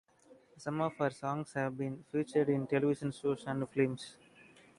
Some of her songs have been featured in television shows and films.